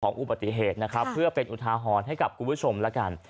อุบัติเหตุนะครับเพื่อเป็นอุทาหรณ์ให้กับคุณผู้ชมแล้วกัน